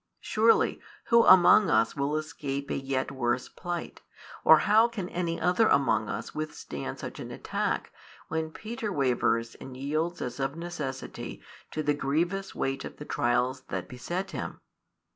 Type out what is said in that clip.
Surely, who among us will escape a yet worse plight, or how can any other among us withstand such an attack, when Peter wavers and yields as of necessity to the grievous weight of the trials that beset him?